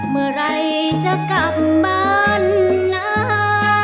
เมื่อไหร่จะกลับบ้านนะ